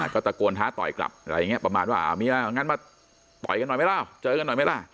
ก็ตะโกนท้าต่อยกลับอะไรอย่างนี้ประมาณว่าเมียงั้นมาต่อยกันหน่อยไหมล่ะเจอกันหน่อยไหมล่ะ